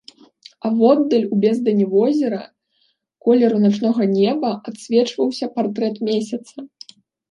А воддаль у бездані возера, колеру начнога неба, адсвечваўся партрэт месяца.